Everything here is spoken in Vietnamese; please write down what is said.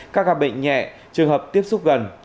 các bệnh nhẹ trường hợp tiếp xúc gần